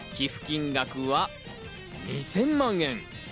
寄付金額は２０００万円。